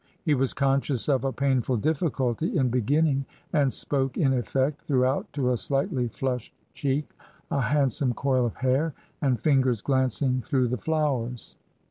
He was conscious of a painful difficulty in beginning, and spoke, in effect, throughout to a slightly flushed cheek, a hand some coil of hair, and fingers glancing throygh the flowers.